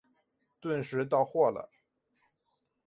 顿时到货了